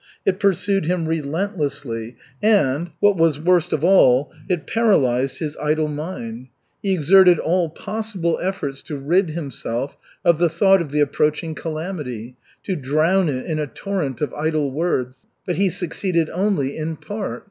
It pursued him relentlessly and what was worst of all it paralyzed his idle mind. He exerted all possible efforts to rid himself of the thought of the approaching calamity, to drown it in a torrent of idle words, but he succeeded only in part.